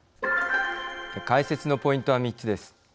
解説のポイントは３つです。